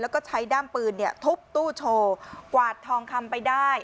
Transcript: แล้วก็ใช้ด้ามปืนทุบตู้โชว์กวาดทองคำไปได้